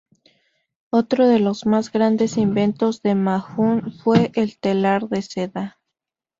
Otro de los más grandes inventos de Ma Jun fue el telar de Seda.